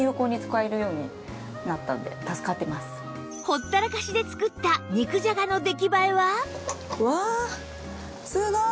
ほったらかしで作った肉じゃがの出来栄えは？